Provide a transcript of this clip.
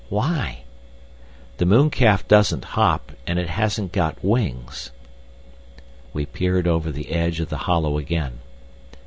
"Why?" "The mooncalf doesn't hop, and it hasn't got wings." He peered over the edge of the hollow again.